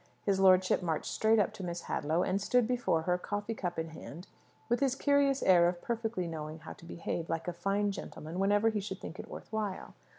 His lordship marched straight up to Miss Hadlow, and stood before her, coffee cup in hand, with his curious air of perfectly knowing how to behave like a fine gentleman whenever he should think it worth while.